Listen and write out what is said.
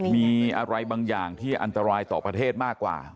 มีอะไรบางอย่างที่อันตรายต่อประเทศมากกว่า